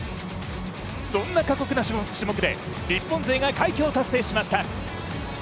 そんな過酷な種目で日本勢が快挙を達成しました。